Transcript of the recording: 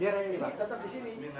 biar yang ini tetap di sini